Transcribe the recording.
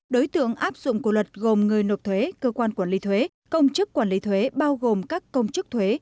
đối tượng áp dụng của luật gồm người nộp thuế cơ quan quản lý thuế công chức quản lý thuế bao gồm các công chức thuế